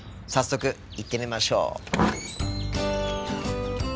早速行ってみましょう。